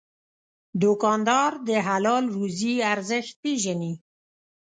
دوکاندار د حلال روزي ارزښت پېژني.